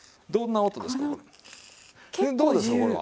どんな音ですか？